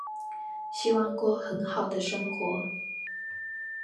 希望過很好的生活